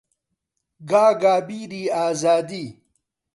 گاگا بیری ئازادی